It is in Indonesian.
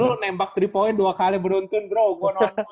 lu nembak tiga poin dua kali beruntun bro gua nonton